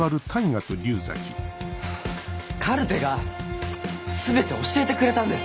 カルテが全て教えてくれたんです。